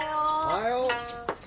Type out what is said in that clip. おはよう。